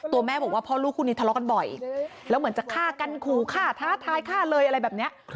แม่บอกว่าพ่อลูกคู่นี้ทะเลาะกันบ่อยแล้วเหมือนจะฆ่ากันขู่ฆ่าท้าทายฆ่าเลยอะไรแบบนี้